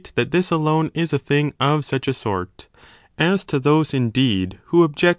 Howtomeet this alone is a thing of such a sort. As to those it. indeed, who object.